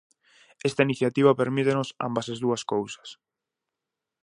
Esta iniciativa permítenos ambas as dúas cousas.